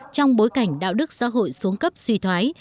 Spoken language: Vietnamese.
trong bối cảnh đạo đức xã hội xuống cấp suy thoái